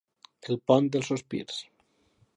El pont dels sospirs.